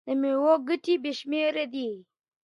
د مېوو ګټي بې شمېره دي.